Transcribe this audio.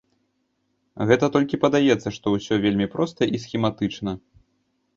Гэта толькі падаецца, што ўсё вельмі проста і схематычна.